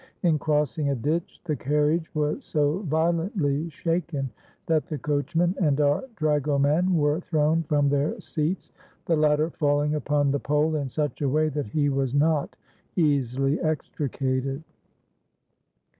In crossing a ditch the carriage was so violently shaken, that the coachman and our dragoman were thrown from their seats, the latter falling upon the pole in such a way that he was not easily extricated.